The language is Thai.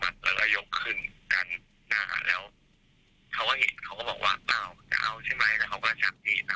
แล้วเค้าก็ชัดดีดแล้วเค้าก็แข็งเข้ามา